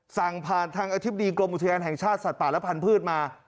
สั่งผ่านทางอธิบดีกรมอุทยานแห่งชาติสัตว์ป่าและพันธุ์มา